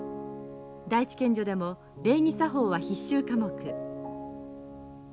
第一県女でも礼儀作法は必修課目。